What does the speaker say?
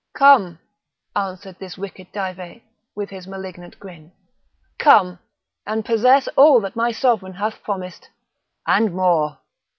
"Come!" answered this wicked Dive, with his malignant grin, "come! and possess all that my sovereign hath promised, and more."